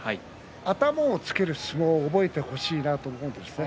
頭をつける相撲を覚えてほしいですね。